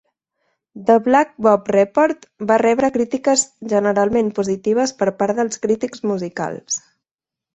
"The Black Rob Report" va rebre crítiques generalment positives per part dels crítics musicals.